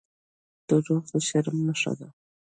• دروغ د شرم نښه ده.